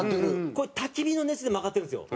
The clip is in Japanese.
これ焚き火の熱で曲がってるんですよ。